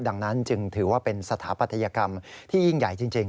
ดังนั้นจึงถือว่าเป็นสถาปัตยกรรมที่ยิ่งใหญ่จริง